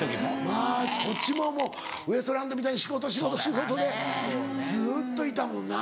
まぁこっちももうウエストランドみたいに仕事仕事仕事でずっといたもんな。